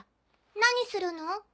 何するの？